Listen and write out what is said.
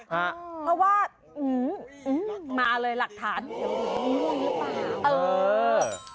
เพราะว่ามาเลยหลักฐานง่วงหรือเปล่าเออ